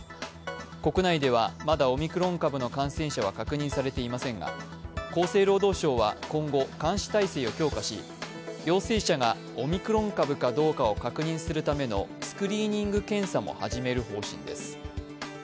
国内ではまだオミクロン株の感染者は確認されていませんが、厚生労働省は今後、監視体制を強化し陽性者がオミクロン株かどうかを確認するためのスクリーニング検査も始める方針です。